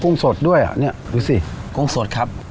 กุ้งสดด้วยนี่ดูสิกุ้งสดครับ